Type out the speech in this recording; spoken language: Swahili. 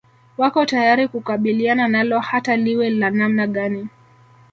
Wako tayari kukabiliana nalo hata liwe la namna gani